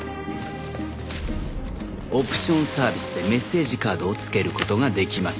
オプションサービスでメッセージカードをつける事ができます。